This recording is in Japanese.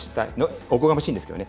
おこがましいんですけどね。